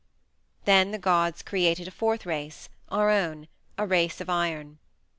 Then the gods created a fourth race our own: a Race of Iron.